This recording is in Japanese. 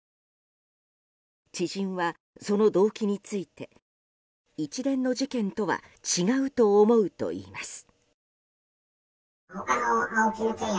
知人は、その動機について一連の事件とは違うと思うと言います。